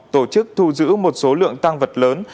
tổ chức thu giữ một số lượng tăng vật lớn